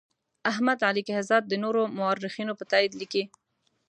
احمد علي کهزاد د نورو مورخینو په تایید لیکي.